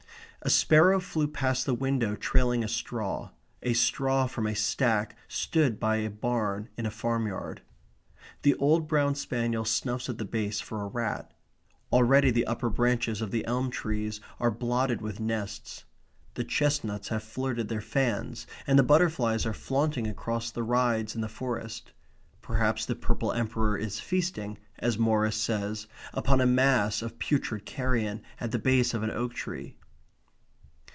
A sparrow flew past the window trailing a straw a straw from a stack stood by a barn in a farmyard. The old brown spaniel snuffs at the base for a rat. Already the upper branches of the elm trees are blotted with nests. The chestnuts have flirted their fans. And the butterflies are flaunting across the rides in the Forest. Perhaps the Purple Emperor is feasting, as Morris says, upon a mass of putrid carrion at the base of an oak tree.